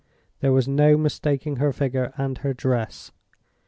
There was no mistaking her figure and her dress.